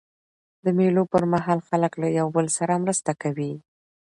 د مېلو پر مهال خلک له یوه بل سره مرسته کوي.